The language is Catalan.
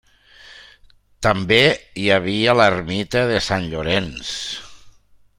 També hi havia l'ermita de Sant Llorenç.